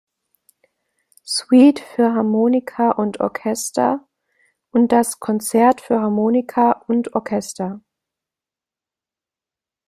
Suite für Harmonika und Orchester" und das "Konzert für Harmonika und Orchester".